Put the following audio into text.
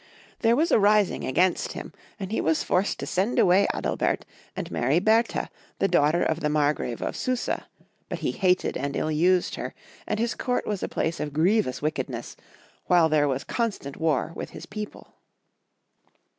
There was a ris ing against him, and he was forced to send away Adalbert, and marry Beatha, the daughter of the Margrave of Susa ; but he hated and ill used her, and his court was a place of grievous wickedness, while there was constant war with his people.